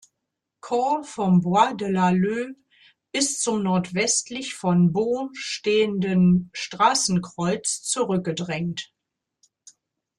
Korps vom Bois de la Leu bis zum nordwestlich von Beaune stehenden Straßenkreuz zurückgedrängt.